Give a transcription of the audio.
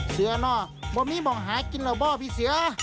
เสียน้องไม่มีเหมาะหากินหรือเปล่าพี่เสีย